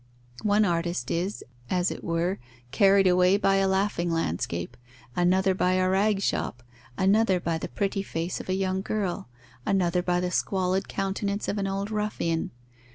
One artist is, as it were, carried away by a laughing landscape, another by a rag shop, another by the pretty face of a young girl, another by the squalid countenance of an old ruffian.